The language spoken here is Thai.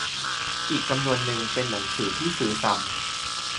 อีกจำนวนนึงเป็นหนังสือที่ซื้อซ้ำ